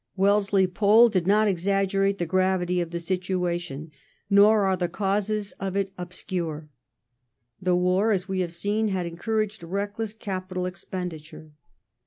^ Wellesley Pole did not exaggerate the gravity of the situation, nor are the causes of it obscure. The war, as we have seen, had encouraged reckless capital expenditure.